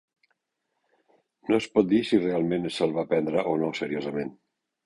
No es pot dir si realment se'l va prendre o no seriosament.